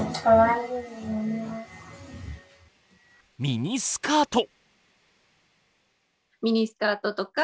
ミニスカート。